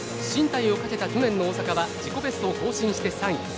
進退をかけた去年の大阪は自己ベストを更新して３位。